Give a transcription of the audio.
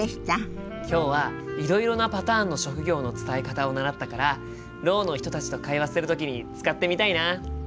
今日はいろいろなパターンの職業の伝え方を習ったからろうの人たちと会話する時に使ってみたいな。